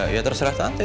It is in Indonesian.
ya terserah tante